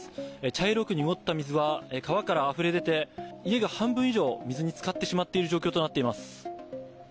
茶色く濁った水は、川からあふれ出て家が半分以上、水につかってしまっている状況になっています。